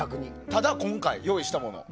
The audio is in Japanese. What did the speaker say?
ただ、今回用意したもの。